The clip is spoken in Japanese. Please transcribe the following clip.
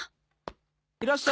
いらっしゃい。